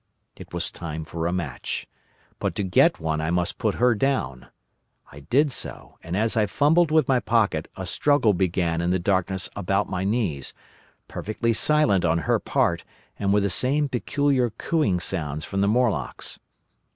"It was time for a match. But to get one I must put her down. I did so, and, as I fumbled with my pocket, a struggle began in the darkness about my knees, perfectly silent on her part and with the same peculiar cooing sounds from the Morlocks.